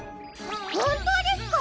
ほんとうですか？